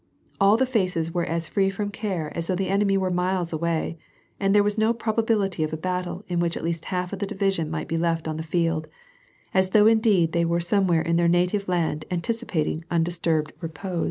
All the faces were as free from care as though the enemy were miles away, and there were no proba bility of a battle in a\\ o'lh at least half their division might be left on tlie field, — as though indeed they were somewhere in their native land anticipating undisturbed repose.